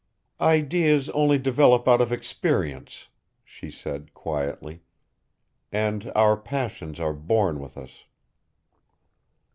"Ideas only develop out of experience," she said quietly. "And our passions are born with us."